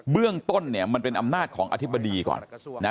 เรื่องต้นเนี่ยมันเป็นอำนาจของอธิบดีก่อนนะ